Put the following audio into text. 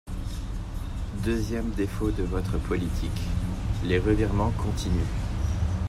Deuxième défaut de votre politique, les revirements continus.